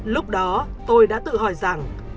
lúc đó tôi đã tự hỏi rằng